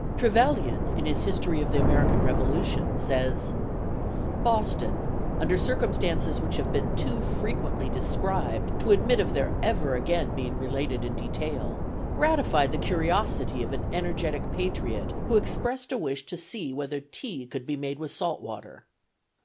Trevelyan, in his history of the American Revolution, says: "Boston, under circumstances which have been too frequently described to admit of their ever again being related in detail, gratified the curiosity of an energetic patriot who expressed a wish to see whether tea could be made with salt water."